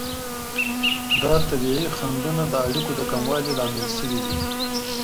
دا طبیعي خنډونه د اړیکو د کموالي لامل شوي دي.